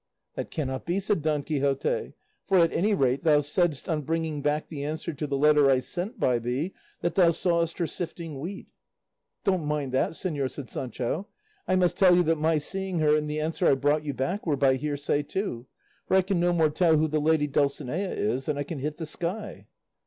"That cannot be," said Don Quixote, "for, at any rate, thou saidst, on bringing back the answer to the letter I sent by thee, that thou sawest her sifting wheat." "Don't mind that, señor," said Sancho; "I must tell you that my seeing her and the answer I brought you back were by hearsay too, for I can no more tell who the lady Dulcinea is than I can hit the sky."